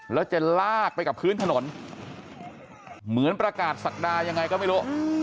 แล้วจะลากไปกับพื้นถนนเหมือนประกาศศักดายังไงก็ไม่รู้